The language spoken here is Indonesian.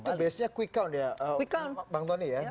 itu biasanya quick count ya